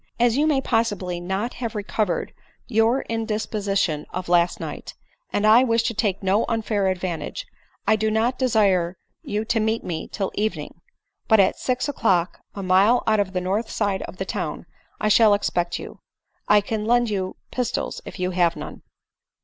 As you may possibly not have recovered your indisposition of last night, and I wish to take no unfair advantages, I do not desire you to meet me till evdfting; but at six o'clock, a mile out of the north side of the town, I shall expect you. I can lend you pistols if you have none."